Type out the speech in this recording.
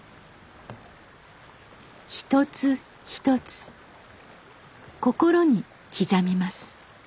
一つ一つ心に刻みます。